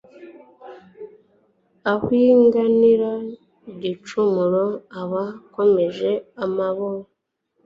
uwihanganira igicumuro aba akomeje umubano